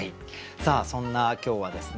さあそんな今日はですね